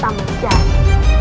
yang kamu suka mencari